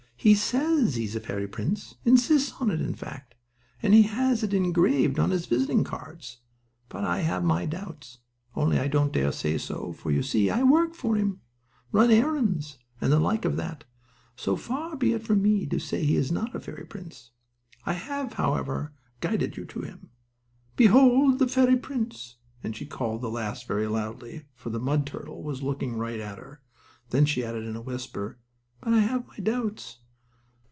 He says he's the fairy prince insists on it, in fact, and he has it engraved on his visiting cards. But I have my doubts, only I don't dare say so, for you see I work for him, run errands and the like of that; so far be it from me to say he is not a fairy prince. I have, however, guided you to him. Behold, the fairy prince!" and she called the last real loudly, for the mud turtle was looking right at her. Then she added in a whisper: "But I have my doubts."